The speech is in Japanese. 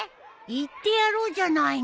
行ってやろうじゃないの。